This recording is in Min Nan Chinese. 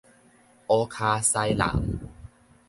烏跤西淋